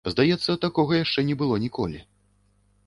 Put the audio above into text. Здаецца, такога яшчэ не было ніколі.